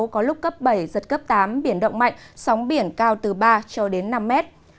có lúc cấp bảy giật cấp tám biển động mạnh sóng biển cao từ ba cho đến năm mét